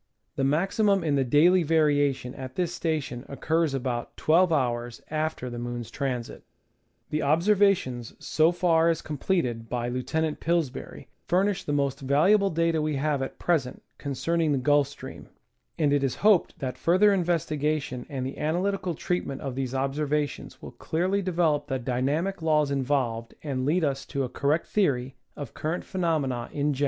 The maximum in the daily variation at this station occurs about 1 2^ after the moon's transit. The observations so far as completed by Lieutenant Pillsbury furnish the most valuable data we have at present concerning the Gulf Stream, and it is hoped that further investigation and the analytical treatment of these observations will clearly develop the dynamic laws involved and lead us to a correct theory of cur rent phenomena in general.